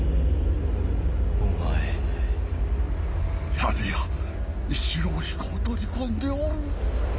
闇が一郎彦を取り込んでおる。